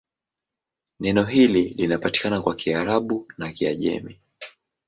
Neno hili linapatikana kwa Kiarabu na Kiajemi.